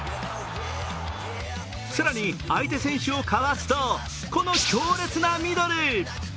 更に相手選手をかわすと、この強烈なミドル。